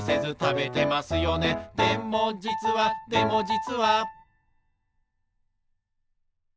「でもじつはでもじつは」